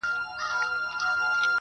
خدای خــــــــبر چـې ولې بد په تا لګي